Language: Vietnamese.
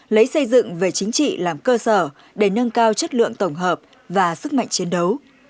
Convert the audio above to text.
lấy xây dựng về chính trị làm cơ sở để nâng cao chất lượng tổng hợp và sức mạnh chiến đấu